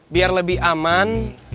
biar lebih aman